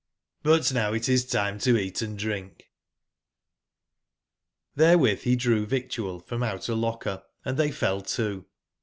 But now it is time to eat and drink/' \T)SR€r<nXCr> he drew victual from out a locker and they fell to.